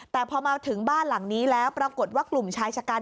แต่พอมาถึงบ้านหลังนี้แล้วปรากฏว่ากลุ่มชายชะกัน